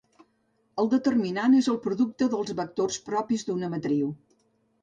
El determinant és el producte dels vectors propis d'una matriu.